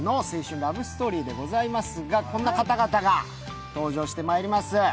ラブストーリーでございますが、こんな方々が登場してきます。